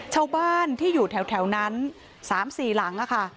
ชาวบ้านที่อยู่แถวนั้น๓๔หลังค่ะ